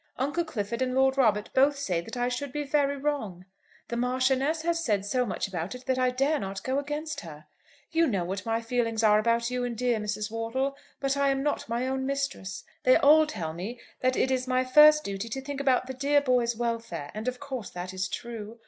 Uncle Clifford and Lord Robert both say that I should be very wrong. The Marchioness has said so much about it that I dare not go against her. You know what my own feelings are about you and dear Mrs. Wortle; but I am not my own mistress. They all tell me that it is my first duty to think about the dear boys' welfare; and of course that is true.